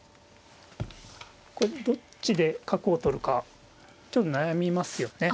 これでどっちで角を取るかちょっと悩みますよね。